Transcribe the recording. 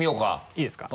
いいですか？